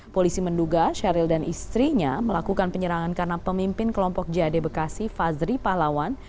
polisi menduga syahril dan istrinya melakukan penyerangan karena pemimpin kelompok jad bekasi fazri pahlawan